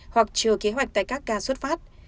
hoặc chờ kế hoạch tại các ga xuất phát